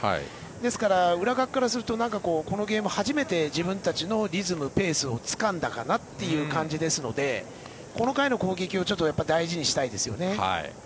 ですから浦学からするとこのゲームで初めて自分たちのリズム、ペースをつかんだかなという感じですのでこの回の攻撃を大事にしたいです。